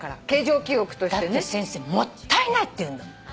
だって先生もったいないって言うんだもん。